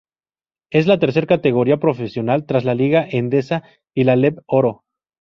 Es la tercera categoría profesional tras la Liga Endesa y la Leb Oro.